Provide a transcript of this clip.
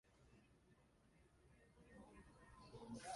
Abantu benshi bagenda ku nkombe bafite inyubako inyuma